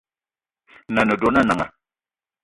Nan’na a ne dona Nanga